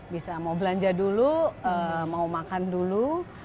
bisa mau belanja dulu mau makan dulu